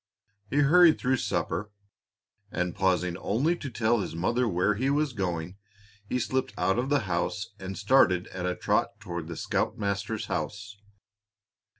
He hurried through supper, and pausing only to tell his mother where he was going, he slipped out of the house and started at a trot toward the scoutmaster's house.